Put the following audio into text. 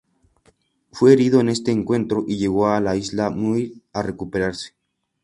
Fue herido en este encuentro y llegó a la Isla Muir a recuperarse.